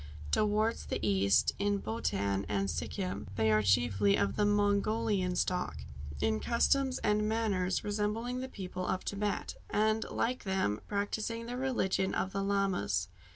Towards the east in Bhotan and Sikhim they are chiefly of the Mongolian stock, in customs and manners resembling the people of Thibet, and, like them, practising the religion of the Lamas.